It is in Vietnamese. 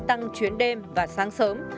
tăng chuyến đêm và sáng sớm